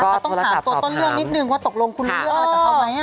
ก็ต้องถามตัวต้นเรื่องนิดนึงว่าตกลงคุณเลือกอะไรแบบเขาไหมอะ